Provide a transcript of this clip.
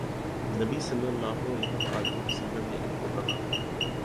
نبی صلی اللہ علیہ وسلم نے ان دونوں کو کہا